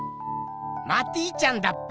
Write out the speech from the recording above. マティちゃんだっぺ。